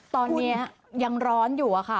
ตอนนี้ยังร้อนอยู่อะค่ะ